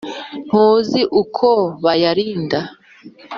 tuzi uko bayarinda